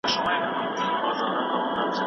کور